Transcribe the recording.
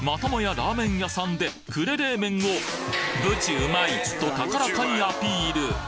ラーメン屋さんで呉冷麺をぶちうまい！！と高らかにアピール！